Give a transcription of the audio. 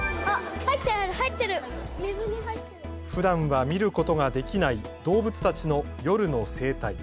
ふだんは見ることができない動物たちの夜の生態。